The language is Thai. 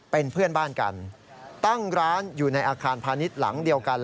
เป็นเพื่อนบ้านกันตั้งร้านอยู่ในอาคารพาณิชย์หลังเดียวกัน